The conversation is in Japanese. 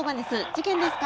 事故ですか？